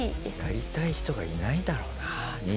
やりたい人がいないんだろうな。